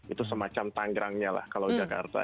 itu semacam tanggrangnya lah kalau jakarta